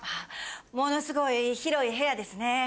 ものすごい広い部屋ですね。